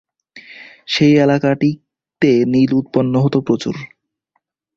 সেই এলাকাটিতে নীল উৎপন্ন হতো প্রচুর।